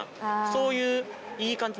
そういう。